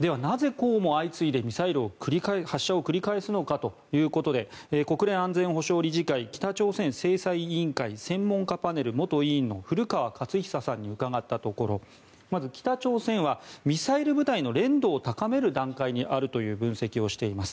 ではなぜこうも相次いでミサイルの発射を繰り返すのかということで国連安全保障理事会北朝鮮制裁委員会専門家パネル元委員の古川勝久さんに伺ったところまず北朝鮮はミサイル部隊の練度を高める段階にあるという分析をしています。